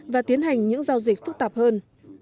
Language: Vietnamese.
và tiến hành những giao dịch phức tạp hơn